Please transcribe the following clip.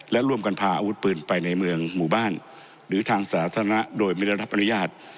และร่วมกันพาอาวุธปืนไปในเมืองหมู่บ้านหรือทางสาธารณะโดยไม่ได้รับอนุญาต